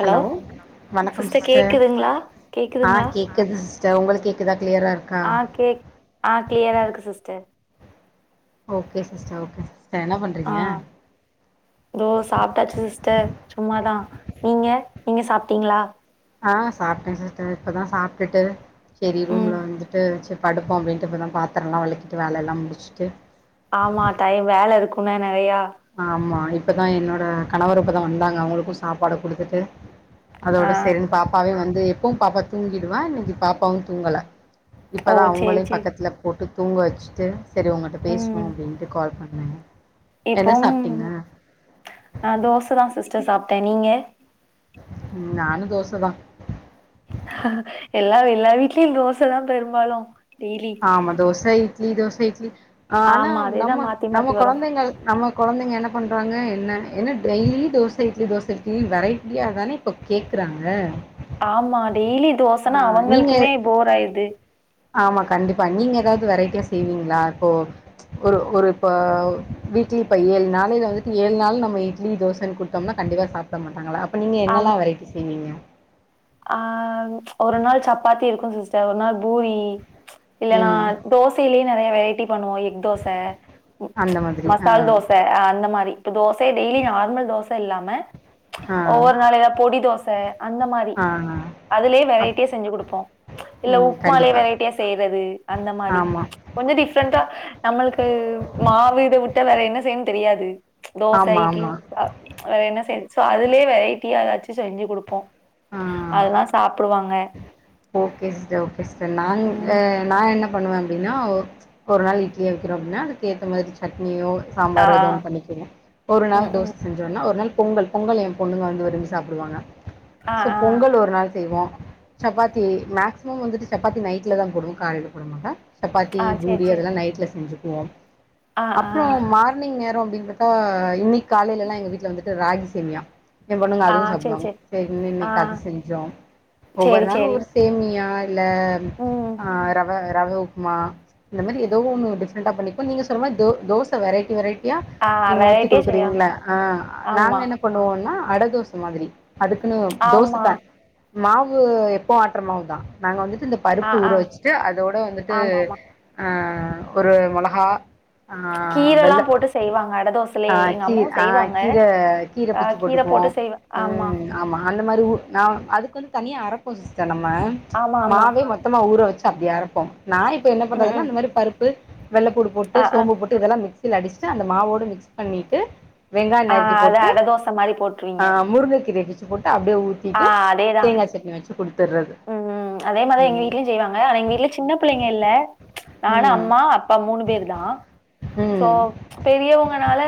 Hello வணக்கம் sister ஆ கேக்குது சிஸ்டர் உங்களுக்கு கேக்குதா கிளியரா இருக்கா ஆஹ் கேக் ஆஹ் கிளியரா இருக்கு சிஸ்டர் ஓகே சிஸ்டர் ஓகே என்ன பண்றீங்க ஆஹ் தோ சாப்ட்டாச்சு சிஸ்டர் சும்மாதா நீங்க நீங்க சாப்ட்டீங்களா ஆஹ் சாப்ட்டேன் சிஸ்டர் இப்பதான் சாப்பிட்டுட்டு சரி ரூம்ல ம் வந்துட்டு படுப்போம் அப்டின்ட்டு இப்பதா பாத்ரம்லா வெலக்கிட்டு வேலல்லா முடிச்சிட்டு ஆமா டைம் வேல இருக்குன நறையா ஆமா இப்பதா என்னோட கணவரு இப்பதா வந்தாங்க அவங்களுக்கு சாப்பாடு குடுத்துட்டு அதோட ஆ சரினு பாப்பாவே வந்து எப்பவும் பாப்பா தூங்கிடுவா இன்னைக்கு பாப்பாவு தூங்கல ஓ இப்பதான் சேரி அவுங்களே சேரி பக்கத்துல போட்டு தூங்க வெச்சுட்டு செரி உங்கள்ட்ட பேசுவோ அப்டின்ட்டு கால் பண்ண இப்போ அஹ் தோச தா சிஸ்டர் சாப்ட்டே நீங்க ம் நானு தோசதான் ஹ எல்லா எல்லா வீட்லயும் தோசை தா பெரும்பாலும் ஆமா தோச இட்லி தோச இட்லி ஆனா ஆமா அதேதா நம்ம மாத்தி நம்ம மாத்தி வரு கொழந்தைங்க நம்ம கொழந்தைங்க என்ன பண்றாங்க என்ன என்ன டெய்லி தோச இட்லி தோச இட்லி வெரைட்டியா தானே இப்ப கேக்குறாங்க ஆமா டெய்லி தோசனா ஆ நீங்க அவங்களுக்குமே போர் ஆயிர்து ஆமா கண்டிப்பா நீங்க ஏதாவது வெரைட்டியா செய்வீங்களா இப்போ ஒரு ஒரு இப்ப வீக்லி இப்ப ஏழு நாளையில வந்துட்டு ஏழு நாளு நம்ம இட்லி தோசன்னு குடுத்தோம்னா கண்டிப்பா சாப்பிட மாட்டாங்கள அப் நீங்க என்னெல்லா வெரைட்டி செய்வீங்க ஆஹ் ஒரு நாள் சப்பாத்தி இருக்கும் சிஸ்டர் ஒரு நாள் பூரி இல்லனா ம் தோசியிலே நறைய வெரைட்டி பண்ணுவோ எக் தோச அந்த மாதிரி ஆ மசால் தோச அந்த மாரி இப்போ தோச டெய்லி நார்மல் தோச இல்லாம ஆ ஒவ்வொரு நாள் ஏதாவது பொடி தோச அந்த மாரி ஆ அதுலயே அப் வெரைட்டியா செஞ்சு கொடுப்போம் இல்ல ம் உப்புமாலேயே கண்டிப்பா வெரைட்டியா செய்யறது அந்த மாதிரி ஆமா கொஞ்ச டிஃப்ரெண்டா நம்மளுக்கு மாவிட விட்டு கிட்ட வேற என்ன செய்யன்னு தெரியாது தோசை ஆமா இட்லி ஆமா வேற என்ன சே சோ அதுலய வெரைட்டியா ஏதாச்சும் செஞ்சு குடுப்போம் ஆ அதல்லாம் சாப்பிடுவாங்க ஓகே சிஸ்டர் ம் பண்ணுவேன் அப்டின்னா ஒரு நாள் இட்லியே வைக்கிறோம் அப்டின்னா அதுக்கு ஏத்த மாதிரி சட்னியோ ஆ சாம்பார் ஏதோ ஒன்னு பண்ணிக்கங்க ஒரு நாள் ம் தோசை ம் செஞ்சோன்னா ஒரு நாள் பொங்கல் பொங்கல் என் பொண்ணுங்க வந்து விரும்பி சாப்டுவாங்க ஆ சோ ஆ பொங்கல் ஒரு நாள் செய்வோம் சப்பாத்தி மேக்ஸிமம் வந்துட்டு சப்பாத்தி நைட்டில தான் போடுவோம் காலைல போடமாட்டோம் சப்பாத்தி ஆ சேரி பூரி சேரி அதெல்லா நைட்ல செஞ்சுக் ஆ [unintelligible] ஆ அப்புறம் மார்னிங் நேரம் அப்டின்னு ஆ இன்னைக்கு காலையில எல்லாம் எங்க வீட்டுல வந்துட்டு ராகி சேமியா என் பொண்ணுங்க ஆ அதுவும் சேரி சாப்பிடுவாங்க சேரி சரி ஆ இன்னைக்கு அது செஞ்சோம் ஒவ்வொரு சேரி நாள் சேரி ஒரு சேம் பியார் இல்ல ம் ஆஹ் ரவ ரவை உப்மா இந்த மாரி ஏதோ ஒண்ணு டிஃபிரண்ட் ஆ பண்ணி நீங்க சொற மாதர தோசை வெரைட்டி வெரைட்டி யா ஆ நீங்க ஊத்தி வெரைட்டியா செய்வா குடுக்குறிங்கல்ல ஆ நாங்க ஆமா என்ன பண்ணுவோன்னா அட தோச மாதிரி அதுக்குன்னு தோசை ஆமா தான் மாவூ எப்போ ஆற்றமதான் நாங்க வந்து இந்த ஆ பருப்பு ஊற ஆ வெச்சுட்டு அதோட வந்துட்டு ஆமாமா ஆ ஒரு மொளகா ஆ கீரல்லா வெள்ள போட்டு செய்வாங்க அட ஆ தோசைலயே எங்க கீரை அம்மாவு ஆ செய்வாங்க கீரை கீரை ஆ பிச்சு கீர போட்டு போட்டுக்குவோம் செய்வா ஆமா ம் ஆமா அல்ல மறுவு நா அதுக்கு வந்து தனியா அரப்போ சிஸ்டர் நம்ம ஆமா ஆமா மாவே மொத்தமா ஊற வச்சு அப்டி அரப்போ நானு இப்ப என்ன ம் பண்றதுன்னா ம் இந்த மாரி பருப்பு வெள்ளைப்பூண்டு போட்டு ஆ ஆ சோம்பு போட்டு இதெல்லா மிக்ஸ் மிக்ஸில அடிச்சிட்டு அந்த மாவோடு மிக்ஸ் பண்ணிட்டு வெங்காய ஆ நறுக்கி அது போட்டு அட தோச மாரி ஆ போட்ருவீங்க முருங்க கிரயேப்பிச்சி அப்டியே ஊத்திட்டு தேங்கா சட்னி வச்சு கொடுங் உம்ம் அதே மாறி எங்க வீட்லயும் செய்வாங்க ஆனா எங்க வீட்டுல சின்ன பிள்ளைங்க இல்ல ம்ச் நானு ம் அம்மா அப்பா மூணு பேர் தான் சோ ம் பெரியவங்கனால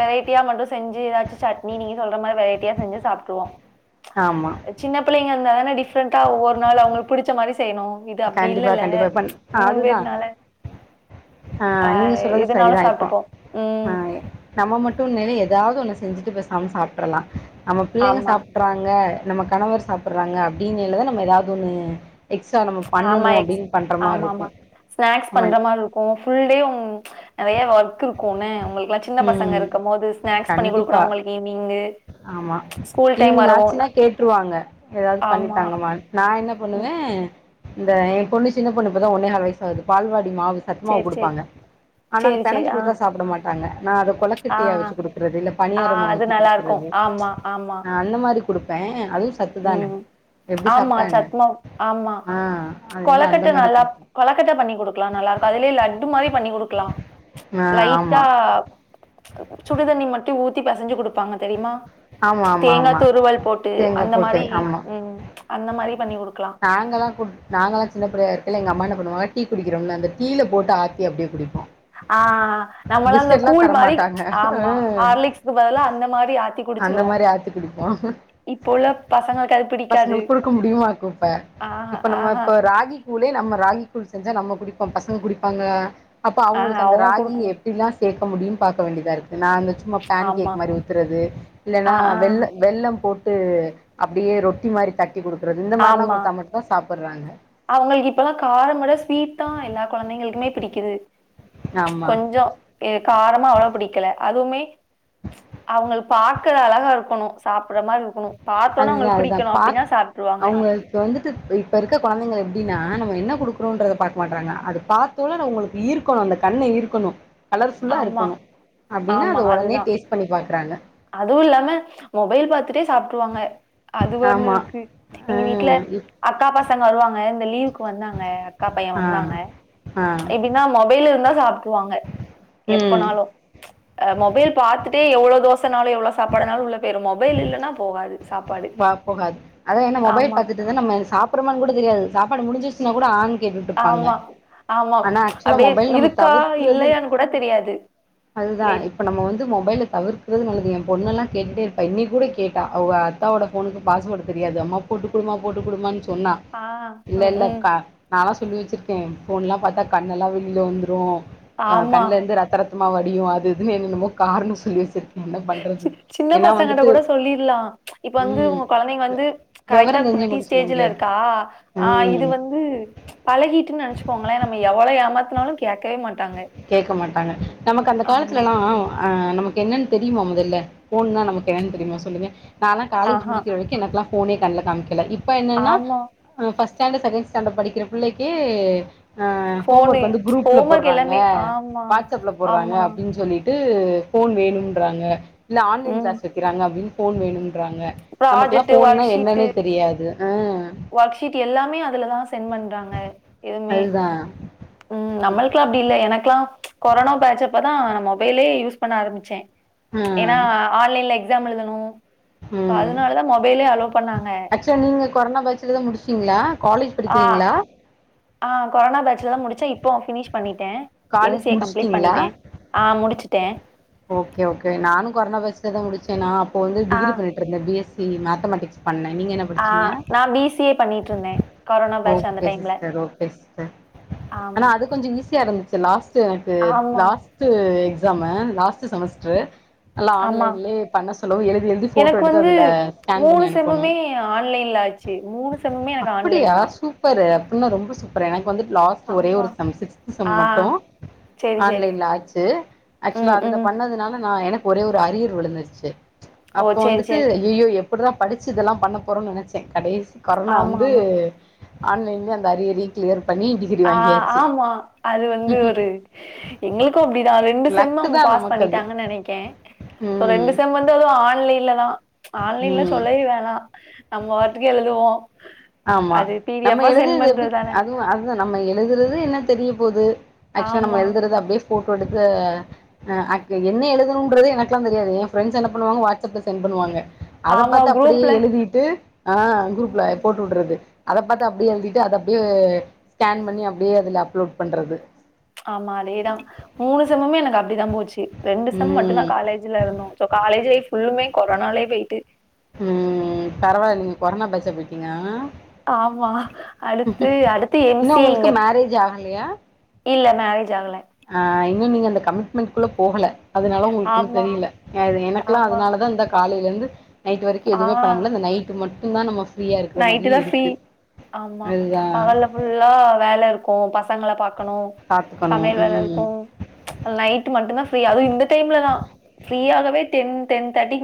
வெரைட்டியா மட்டும் செஞ்சு ஏதாச்சும் சட்னி நீங்க சொல்ற மாறி வெரைட்டியா செஞ்சு சாப்பிடுவோம் ஆமா ம் ச் சின்ன பிள்ளைங்க இருந்தா தானே டிப்ரண்டா ஒவ்வரு நாள் அவளுக்கு புடிச்ச மாரி செய்ணும் இது அப்படி கண்டிப்பா இல்லல்ல கண்டிப்பா இப்ப மூணு அதுதா பேர்னால ஆ நீங்க சொல்றது எதுனாலு சரிதான் இப்போம் சாப்ட்டுப்போ ஆ ம் நம்ம மட்டும் நிலைய ஏதாவது ஒன்னு செஞ்சுட்டு பேசாமனு சாப்டர்லா நம்ம பிள்ளைங்க ஆமா சாப்ட்றாங்க நம்ம கணவர் சாப்பிடுறாங்க அப்படின்னுல தான் நம்ம ஏதாவது ஒண்ணு எக்ஸ்ட்ரா நம்ம பண்ணணு ஆமா எக்ஸ் அப்டின்னு பண்ற மாரி ஆமா இருக்கு ஆமா ஸ்நாக்ஸ் ஆமா பண்ற மாரி இருக்கும் ஃபுல் டேயும் ம் நிறைய ஒர்க் இருக்கும் என்ன உங்களுக்குல்லாம் சின்ன பசங்க ம் இருக்கும் போது ஸ்நாக்ஸ் பண்ணி கொடுக்கனு கண்டிப்பா அவங்களுக்கு ஈவினிங் ஆமா ஈவினிங் ஆச்சுன்னா ந- கேட்டுருவாங்க ஏதாவது பண்ணி ஆமா தாங்கமா நான் என்ன பண்ணுவே ம் இந்த ஏன் பொண்ணு சின்ன பொண்ணுப்புதான் ஒன்னேஹால் வைஸ் ஆகுது பால்வாட் மாவு சத்தமாவு சேரி சேரி கொடுப்பாங்க ஆனா சேரி சேரி பெனஞ்சு ஆ கொடுத்தா சாப்பிட மாட்டாங்க நா அத ஆ கொழக்கட்டயா அவிச்சு கொடுக்குறது இல்ல ஆ பனியாராமா அது ஊத்தி நல்லா குடுக் இருக்கும் ஆமா ஆமா கொடுப்பேன் அது உம் ஆமா சத்மாவ் ம் ஆமா ஆ அதனால அந்த கொழக்கட்ட மாரி நல்லா குடுப்பே கொழக்கட்ட பண்ணி குடுக்கலாம் நல்லா இருக்கும் அதுலயே லட்டு மாறி பண்ணி குடுக்கலாம் ஆ லைட்டா ஆமா சுடிதண்ணி மட்டும் ஊத்தி பெசஞ்சி குடுப்பாங்க தெரியுமா ஆமா ஆமா தேங்கா ஆமா துருவல் போட்டு தேங்கா போட்டு மாரி ஆமா ம் அந்த மாரி பண்ணி குடுக்கலா நாங்கலா நாங்கலா சின்ன பிள்ளயா [unintelligible] எங்க அம்மா பண்ணுவங்க டீ குடிக்கிற ம்ல அந்த டீ ல போட்டு ஆத்தி அப்படியே குடி ஆ நம்மல்லாம் அந்த கூழ் மாரி தரமாட்டாங்க ஆ ஆமா ஹார்லிக்ஸ்கு பதிலாம் அந்த மாரி ஆத்தி குடிச்ச அந்த மாரி ஆத்து குடிப்போம் பசங்களுக்கு அது பசங்க பிடிக்காது கொடுக்க முடியுமாக்கும் இப்ப ஆஹா இப்ப நம்ம ஆஹா இப்ப ராகி கூலே நம்ம ராகி கூ செஞ்சா நம்ம குடிப்போம் பசங்க குடிப்பாங்களா அப்போ ஆஹா அவங்களுக்கு அந்த அவங்க ராகி குடுக்கணு எப்படிலாம் கேட்க முடியும் பாக்க வேண்டியதா இருக்கு நா அந்த சும்மா பேன் ஆமா கேக் மாரி ஊத்துறது ல்லா ஆ ஆ வெள்ள வெள்ள [unintelligible] போட்டு அப்டியே ரொட்டி மாரி தட் டிகுடுக்குறது இந்த மாரிலாம் குடுத்தா மட்டுந்தான் சாப் போட்றாங்க அவுங்களுக்கு இப்பதா காரமோட ஸ்வீட் தான் எல்லா கொழந்தைங்களுக்குமே பிடிக்கிது ஆமா கொஞ்சோ ஏ காரமா அவளோ புடிக்கல அதுவுமே ச் அவுங்கள் பாக்குற அலகா இருக்குணும் சாப்புட்ற மாரி இருக்குணும் அதுதா அதுதா பா அவுங்கள்க்கு வந்துட்டு இப் இப்பருக்க கொழந்தைங்களுக் ப்டினா நம்ம என்ன குடுக்குரோன்றத பாக்க மாட்றாங்க அது பாத்தோனே அவ்ங்களுக்கு ஈர்க்கணும் அந்த கண்ண ஈர்க்கணும் கலர்ஃபுல்லா ஆமா இருக்கொணு அப்டின்னா அத ஒடனே டேஸ்ட் பண்ணி பாக்கறாங்க அதுவுல்லாம மொபைல் பாத்துட்டே சாப்ட்ருவாங்க அது ஆமா ஒன்னுருக்கு ஆ எங்க வீட்ல இப் அக்கா பாசங்க வருவாங்க இந்த லீவுக்கு வந்தாங்க அக்கா பையே ஆ வந்தாங்க ஆ எப்டின்னா மொபைல் இருந்தா [unintelligible] புவாங்க ம் எப்பனாலு அ மொபைல் பாத்துட்டே எவ்ளோ தோ சன்னாலு எவ்ளோ சாப்பாடுனாலு உள்ள இல்லன்னா போகாது சாப்பாடு வா போகாது அதான் என்ன மொபைல் ஆமா பாத்துட்டுதா நம்ம சாப்புட்றோமோன் கூட தெரியாது சாப் பாடு முடிஞ்சிஸ்சுன்னா கூட ஆங் கேட்டுட்ருப்பாங்க ஆமா ஆமா ஆனா ஆக்சுலா அப்டியே மொபைல் நம்ம இருக்கா தவுர்க்குறது அ இல்லையான்னு கூட தெரியாது அதுதா பிளேட்ல இப்ப நம்ம வந்து மொபைல்லு தவிர்க்குறது நல்லது என் பொண்ணல்லாம் கேட்டுட்டே [unintelligible] கூட கேட்டா அவ்வ அத்தாவோட ஃபோனுக்கு பாஸ்வோடு தெரியாது அம்மா போட்டு குடுமா போட்டு குடுமான்னு ச் சொன்னா ஆ இல்ல ம் இல்ல ம் க நாளா லவ்லி வச்சுர்க்கே ஃபோன்லா பாத்தா கண்ணல்லா வெளில வந்துரு அ ஆமா கண்லேர்ந்து ரத்தரத் ம்மா வடியு அது இதுன்னு என்னன்னமோ காரணோ சொல்லி வெச்சிரு என்ன பண்றது ஏன்னா ப்பசங்க வந்துட்டு கூட சொல்லிர்லா இப்ப வந்து ம் ஒங்க கொழந்தைங்க வந்து கரெக்ட்டா வெவரந் குட்டி தெரிஞ்சவங்கள்ட்ட சொல்ல முடியாது ஸ்டேஜிலருக்கா அ இது ம் வந்து பழகிட்னா வெச்சுகோங்லே நம்ம எவ்ளோ எ சமத்துனாலு கேக்கேவே மாட் கேக்க மாட்டாங்க நமக்கு அந்த ஆமா காலத்துலலாம் அஹ் நமக்கு என்னன் தெரியுமா மொதல்ல ஃபோன்னா நமக்கு என்னன் தெரியுமா சொல்லுங்க நாளா காலேஜ் ஆஹா முடிக்கிற வரைக்கியு எனக்லா ஃபோனே கண்ல காமிக்கேல இப் ப்ப என்னன்னா ஆமா ம் ஃபர்ஸ்ட் ஸ்டாண்டர் செகேண்ட் ஸ்டாண்டர் படிக்கிற புள்ளைக்கே ஆஹ் ஹோம் ஃபோனு ஒர்க் வந்து குரூப்ல ஹோம் ஒர்க் போடுறாங் ங்க எல்லாமே ஆமா வாட்ஸ்ஸப்ல போடுறாங்க ஆமா அப்டின் சொல்லி ட்டு போன் வேணும்ன்றாங்க ல்ல ஆன்லைன் ம் க்ளாஸ் வக்கிறாங்க அப்டின் போன் வேணும் ராங்க நமக்லா போன் னா என்னன்னே தெரியாது ஆ ஒர்க்ஷீட் எல்லாமே அதுலதான் சென்ட் பண்றாங்க எதுமே அதுதான் உம் நம்மள்க்லா இல்ல எனக்லா கொரோனா பேட்சப்பதா நா மொபைலே யூஸ் பண்ண ஆரம்பிச்சே ஆ ஏனா ஆன்லைன்ல ஜாம் எழுதணூ ம் பண்ணாங்க ஆக்சுவலா நீங்க கொரோனா பேச்சுலதா முடிசு கீங்ளா காலேஜ் ஆ படிக்கிறீங்களா ஆ கொரோனா பேட்ச்லதா முடிச்சா இப்போ ஃபினிஷ் பண்ணி டே எம் காலேஜ் சி ஏ கம்ப்ளீட் முடிச்சுட்டீங்களா பண்ணிட்டே ஆ முடிச்சுட்டே ஓகே ஓகே நானு கொரோனா பேட்சுல தா முடிச்சேனா ப்போ வந்து ஆ டிகிரி பண்ணிட்டு இருந்த பி எஸ் சி மேத்தமெட்டிக்ஸ் பண்ண நீங்க என்ன ஆ படிச்சீங்க நா பி சி ஏ பண்ணிட்ருந்தே கொரோனா பேட்ச் அந்த ஓகே டைம்ல சிஸ்டர் ஓகே சிஸ்டர் ஆனா ஆமா அது கொஞ்சம் ஈஸியா இருந்துச் இது லாஸ் ஸ்ட் எனக்கு ஆமா லாஸ்ட் எக்ஸ் அதுலாம லாஸ்ட் ஸ் செமஸ்டர் நல்லா ஆமா ஆன்லைன்லயே பண்ண சொல்ல எழுதி எழுதி போட்டோ எனக்கு எடுத்து வந்து அதுல ஸ்கேன் பண்ணி அனுப்பனு செம்முமே ஆன்லைன்ல ஆச்சு. செம்முமே எனக்கு ஆன்லைன் அப்படியா தான். சூப்பரு இன்னு ரொம்ப சுப்பரெ எனக் ப்ப வந்து லாஸ்ட் ஒரே ஆமா. ஒரு செம் சிக்ஸ்த் செம் ஆ. மட்டு சரி, சரி. ஆன்லைன்ல ஆச்சு ஆக்சுவலா ம், அதுல ம். பண்ணதுனால நா எனக் ஒரே ஒரு அரியர் விழுந்துருச்சு ஓ! அப்போ சரி, வந்துட்டு சரி. ஐயயோ எப் எப்புடுறா படிச்சு இதெல்லாம் பண்ண போறோம் நெனைச்சே கடைசி கொரனா ஆமா, வந்து ஆமா. ஆன்லைன்ல அந்த அரியரயு கிளியர் பண்ணி டிகிரி ஆ வாங்கியாச்சு ஆமா அது வந்து ஒரு எங்களுக்கு அப்படிதா ரெண்டு செம்ம லக்கு அவங்க தா பாஸ் நமக்கு பண்ணி அது ட்டாங்கன் நெனைக்கே ரெண்டு ம் செம் வந்து அதுவு ஆன் ள்ள இல்லதான் ஆன்லைன்ல ம் சொல்லவே வேணா நம்ம வாட்டுக்கு எழுதுவோ ஆம்மா நம்ம எழுது எப்டி பண்றது தானே. அதுவு அதுதான நம்ம எழுதுறது என்ன தெரிய போது ஆக்சுல் நம்ம ஆமா. எழுதுறது அப்பே போட்டோ எடுத்து ஆக் என்ன எழுதுணன்றதே எனக்கல்லா தெரியாது என் ஃப்ரெண்ட்ஸ் என்ன பண்ணுவாங்க வாட்ஸ்அப்ல சென்ட் பண்ணுவாங்க அத ஆமா பாத்து அப்படியே குரூப்ல எழுதிட்டு ஆஹ் குரூப்ல து அத பாத்து அப்டியே எழுதிட்டு அத அப்டியே ஸ்கேன் பண்ணி அப்டியே அதுல அப்லோட் பண்றது ஆமா அதேதான் மூணு செம்முமே எனக்கு அப்டிதா போச்சி ரெண்டு செம் மட்டும் ம் தான் காலேஜில்ல இருந்தோம் சோ காலேஜ் லைஃப் புல்லுமே கொரோனாலே பெயிட்டு ம் பரவாயில்ல நீங்க கொரோனா பேஜ்ஜா போயிட்டீங்க ஆமா அடுத்து அடுத்து இன்னு எம்சி உங்களுக்கு இங்க மேரேஜ் ஆகலையா இல்ல மேரேஜ் ஆகல ஆ இன்னும் நீங்க அந்த கமிட்மெண்ட் குள்ள போகல அதனால ஒங்களுக் ஒன்னும் ஆமா தெரியில்ல என எனக்கெல்லாம் ஆமா அதனாலதா இந்த காலையிலருந் [inaudible] நைட்டு வரைக்கி ஆ எதுவுமே பண்ணமுல்ல இந்த நைட்டு மட் இந்தா நம்ம ஃப்ரீயா இருக்கிற நைட்டு மாரியே தா ஃப்ரீ இருக்கு. ஆம்மா அதுதான் பகல்ல்லா ஃபுல்லா வேல இருக்கும் பஸ் சங்கள பாக்கணும் பாத்துக்கணும். சமையல் ம். வேலருக்கும் நைட்டு மட்டும்தா ஃப்ரீ இந்த டைம்லலா ஃப்ரீயகவே டென் டென் தர்டி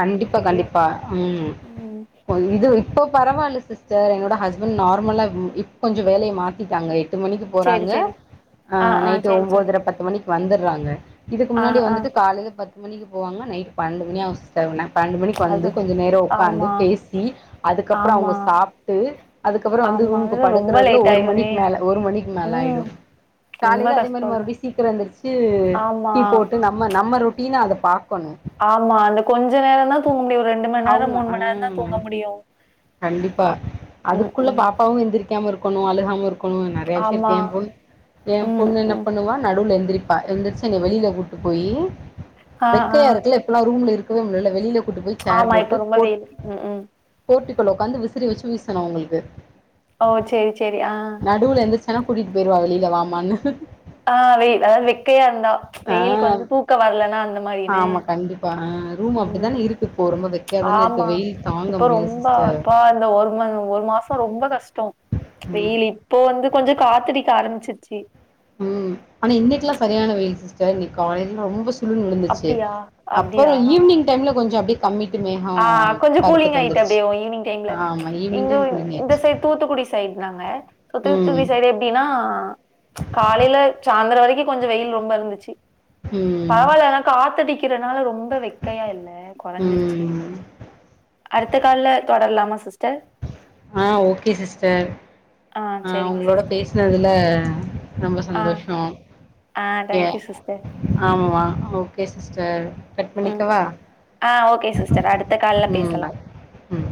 கண்டிப்பா கண்டிப்பா ம் ம் இப்ப இது விட் இப்போ பரவால்ல சிஸ்டர் என்னோட ஹஸ்பண்ட் நார்மலா இப்ப கொஞ்ச வேலைய மாத்திட்டாங்க எட்டு மணிக்கு சேரி போறாங்க சேரி ஆ ஆ நைட்டு சேரி சேரி ஒம்போதற பத்து மணிக்கு வந்துட்றாங்க இதுக்கு ஆ முன்னாடி ஆ வந்துட்டு காலையில் பத்து மணிக்கு போவாங்க நைட் பண்டு மணி ஆகு தெர்ம பண்டு மணிக்கு வந்து அது கொஞ்ச நேரோ உக்காந்து ஆமா பேசி அதுக்கப்புறோ ஆமா அவுங்க சாப்ட்டு அதுக்கப்புறோ வந்து ஆமா ரூம்க்கு அது ரொம்ப படுக்கறதுல லேட் ஒரு ஆயிருமே மணிக்கு மேல ஒரு மணிக்கு மேல ம் ஆயிடும் ரொம்ப காலையில அதே மாரி கஷ்டோ அது மறுபடியும் சீக்கிரோ எழுந்திர்ச்சி ஆமா டீ போட்டு நம்ம நம்ம டீன்னாதுப்பா ஆமா அந்த கொஞ்ச நேர தா தூங்க முடியு ஒரு மண் நேரோ அவுங்க ஆ மண் நேரந்தா தூங்க முடியு கண்டிப்பா ம் அதுக்குள்ள ம் பாப்பாவு எந்திரி காம இருக்கணு அழுகாம இருக்கணு கும் நெறைய விஷய ஆமா எ பொன் எ ம் பொண்ணு என்ன ம் பண்ணுவா நடுவுல எந்திரி ப்ப எந்திரிச்சு என்ன வெளில கூட்டிட்டு போயி ஆ ஆ வெக்கையா இருக்குல்ல இப்ப எல்லா ரூம்ல இருக் கும் வெள்ள வெளில கூட் ஆமா இப்போ ரொம்ப வெயில் க்கும் கீழே உட்காந்து விசிறி வெச்சு வீசணு அவுங்களுக்கு ஓ சேரி சேரி ஆ நடுவுல எந்திரிச்சான்னா கூட்டிட்டு போயிடுவா வெளியில வாமா மண்ணு ஆ வெய் வெயில் அதாவது வெக்கையா இருந்தா ஆ வெயிலுக்கு வந்து தூக்கோ வரலன்னா அந்த மாரின்னு ஆமா கண்டிப்பா ஆ ரூம் ம் அப்டித்தானே இருக் ஆமா இப்ப முடியல ரொம்ப சிஸ்டர் அப்பா இந்த ஒரு மண் ஒரு மாசோ ரொம்ப கஷ்டோ ம் வெயில்ல இப்போ வந்து கொஞ்சோ காத்தடிக்க ஆரம்பிச்சி சி உம் ஆனா இன்னைக்கு எல்லா சரியான வெயில் சிஸ்டர் இன்னைக்கு காலையில ரொம்ப விழு விழுந்துச்சு அப்டியா அப்புறோ அப்டியா ஈவினிங் டைம்ல கொஞ்சோ அப்டியே கமிட் ஆ கொஞ்சோ கூலிங் ஆயிட்டு அப்டியே ஈவினிங் டைம்ல ஆமா ஈவினிங் இங்க டைம் இந்த குளிங்காயிடுச்சு சைட் தூத்துக்குடி சைடு நாங்க ம் [unintelligible] எப்டினா ஆ காலையில சாய்ந்திர வரைக்கூ கொஞ்சோ வெயில் ரொம்ப இருந்துச்சு ம் பரவாயில்ல காத்தடிக்கிறதுனால ரொம்ப வெக்கையா இல்ல குறைஞ்சிருச்சு ம் அடுத்த கால்ல தொடரலாமா சிஸ்டர் ஆ ஓகே சிஸ்டர் ஆ செரிங்க உங்களோட சிஸ்டர் பேசினதுல ரொம்ப ஆ சந்தோஷோ ஆ ஒகே எ தேங்க்யூ சிஸ்டர் ஆமா ஓகே சிஸ்டர் கட் ம் பண்ணிக்கவா ஆ ஓகே சிஸ்டர் அடுத்த கால்ல ம் பேசலா பாய் ம்